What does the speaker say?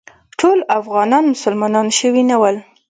ټول افغانان مسلمانان شوي نه ول.